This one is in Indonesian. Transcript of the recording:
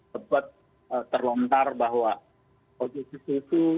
tepat terlontar bahwa ojsusu